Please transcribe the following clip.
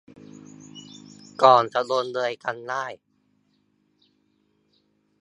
ก่อนจะลงเอยกันได้